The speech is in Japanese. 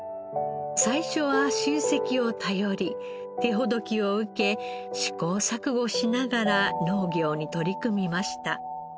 最初は親戚を頼り手ほどきを受け試行錯誤しながら農業に取り組みました。